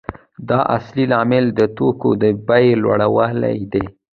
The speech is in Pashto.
دا اصلي لامل د توکو د بیې لوړوالی دی